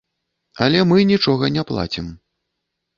Але мы нічога не плацім.